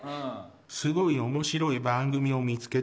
すごい面白い番組を見つけたのよ。